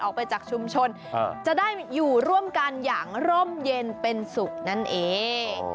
ออกไปจากชุมชนจะได้อยู่ร่วมกันอย่างร่มเย็นเป็นสุขนั่นเอง